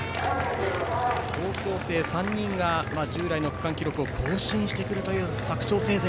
高校生３人が従来の区間記録を更新してきたという佐久長聖勢。